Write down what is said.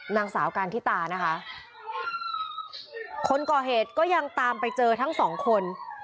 นางสาวการทิตานะคะคนก่อเหตุก็ยังตามไปเจอทั้งสองคน